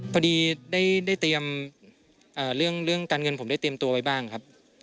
พอดีได้เตรียมเรื่องการเงินผมได้เตรียมตัวไว้บ้างครับ